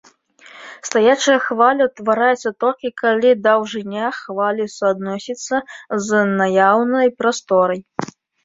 Стаячая хваля ўтвараецца толькі, калі даўжыня хвалі суадносіцца з наяўнай прасторай.